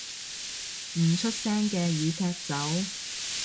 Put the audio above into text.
唔出聲嘅已踢走